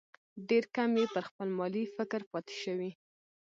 ډېر کم یې پر خپل ملي فکر پاتې شوي.